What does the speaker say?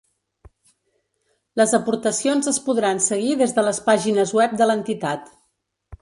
Les aportacions es podran seguir des de les pàgines web de l’entitat.